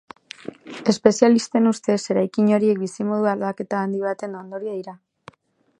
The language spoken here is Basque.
Espezialisten ustez eraikin horiek bizimodu aldaketa handi baten ondorioa dira.